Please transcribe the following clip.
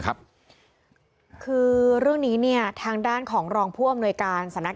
คือเรื่องนี้เนี่ยทางด้านของรองผู้อำนวยการสำนัก